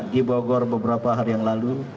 di bogor beberapa hari yang lalu